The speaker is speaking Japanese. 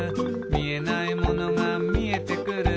「みえないものがみえてくる」